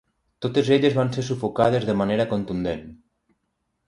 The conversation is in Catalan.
Totes elles van ser sufocades de manera contundent.